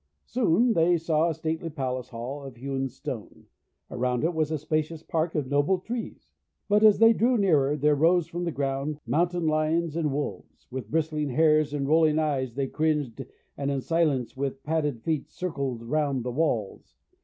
Soon they saw a stately palace hall of hewn stone. Around it was a spacious park of noble trees. But as they drew nearer, there rose from the ground, Mountain Lions and Wolves. With bristling hairs and rolling eyes they cringed, and in silence, with padded feet, circled round the walls.